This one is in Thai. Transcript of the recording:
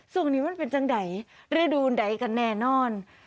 ช่วงนี้มันเป็นจังใดฤดูใดกันแน่นอน